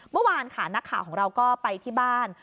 เมื่อวานค่ะนักข่าวของเราก็ไปที่บ้าน